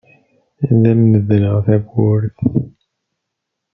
Ad am-medleɣ tawwurt.